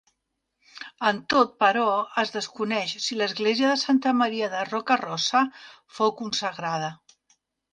Amb tot però, es desconeix si l'església de Santa Maria de Roca Rossa fou consagrada.